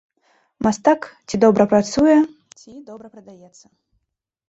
Мастак ці добра працуе, ці добра прадаецца.